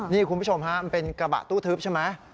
นี่คุณผู้ชมฮะมันเป็นกระบะตู้ทึบใช่ไหม